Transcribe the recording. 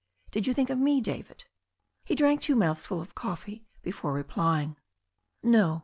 "Did you think of me, David?" He drank two mouth fuls of coffee before replying : "No.